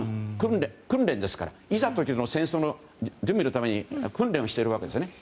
訓練ですから、いざという時の戦争の準備のために訓練をしているわけですね。